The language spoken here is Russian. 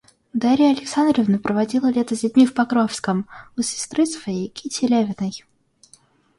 Дарья Александровна проводила лето с детьми в Покровском, у сестры своей Кити Левиной.